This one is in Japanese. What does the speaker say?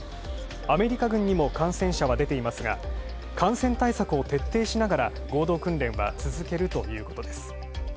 アメリカ軍にも感染者は出ていますが感染対策を徹底しながら合同訓練は続けるということです。